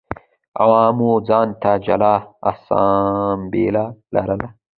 عوامو ځان ته جلا اسامبله لرله